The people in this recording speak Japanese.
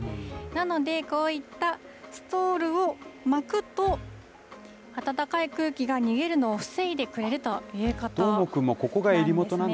なので、こういったストールを巻くと、温かい空気が逃げるのを防いでくれるということなんですね。